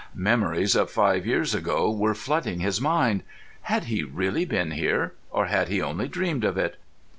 Memories of five years ago were flooding his mind. Had he really been here, or had he only dreamed of it?